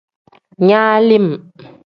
Nalim.